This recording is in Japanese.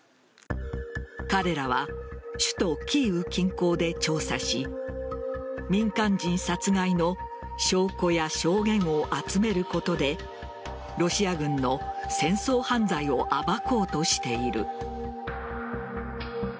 彼らは首都・キーウ近郊で調査し民間人殺害の証拠や証言を集めることでロシア軍の戦争犯罪を暴こうとしている。